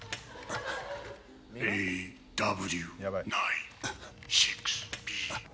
ＡＷ９６Ｂ。